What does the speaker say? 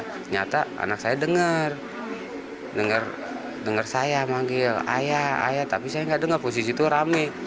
ternyata anak saya dengar dengar saya manggil ayah ayah tapi saya nggak dengar posisi itu rame